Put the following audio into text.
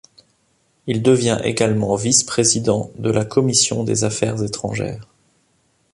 Il devient également vice-président de la Commission des Affaires étrangères.